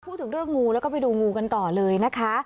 พูดถึงเรื่องงูแล้วก็ไปดูงูกันต่อเลยนะคะ